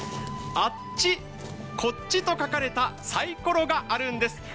「あっち」「こっち」と書かれたさいころがあるんです。